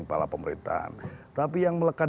kepala pemerintahan tapi yang melekat